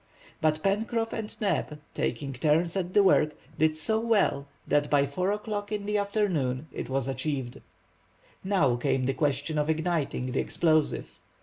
But Pencroff and Neb, taking turns at the work, did so well, that by 4 o'clock in the afternoon it was achieved. Now came the question of igniting the explosive.